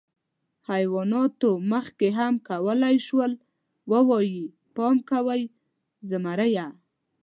حیواناتو مخکې هم کولی شول، ووایي: «پام کوئ، زمری!».